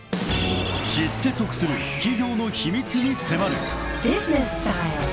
［知って得する企業の秘密に迫る］